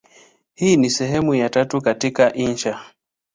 Hii ni sehemu ya tatu katika insha.